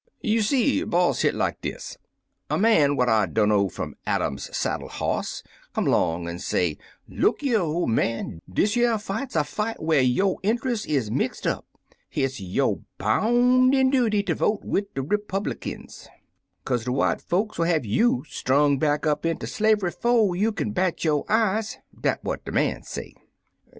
"You see, boss, hit like dis: Er man what I dimno fum Adam's saddle hoss come 'long an' say, 'Look yer, ole man, dish yer fight's er fight whar yo' intrust is mixt up. Hit's yo' bounden duty ter vote wid de ripublikins, kazc de white folks '11 have you strung back up inter slave'y 'fo' you kin bat yo' eyes.' Dat what de man say.